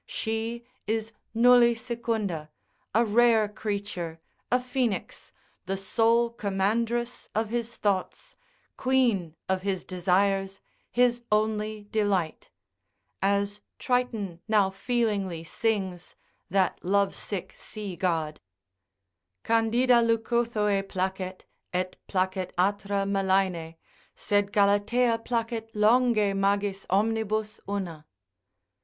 She is nulli secunda, a rare creature, a phoenix, the sole commandress of his thoughts, queen of his desires, his only delight: as Triton now feelingly sings, that lovesick sea god: Candida Leucothoe placet, et placet atra Melaene, Sed Galatea placet longe magis omnibus una.